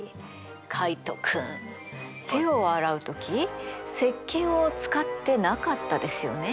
カイト君手を洗う時せっけんを使ってなかったですよね？